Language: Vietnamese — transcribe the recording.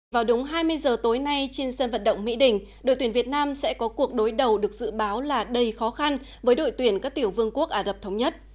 vào đúng hai mươi giờ tối nay trên sân vận động mỹ đình đội tuyển việt nam sẽ có cuộc đối đầu được dự báo là đầy khó khăn với đội tuyển các tiểu vương quốc ả rập thống nhất